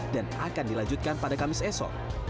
dan akan dilanjutkan pada kamis esok